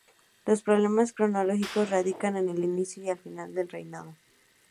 Los problemas cronológicos radican en el inicio y final de su reinado.